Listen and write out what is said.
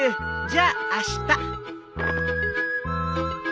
じゃああした。